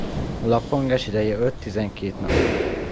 A lappangás ideje öt-tizenkét nap.